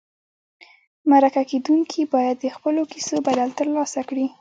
مرکه کېدونکي باید د خپلو کیسو بدل ترلاسه کړي.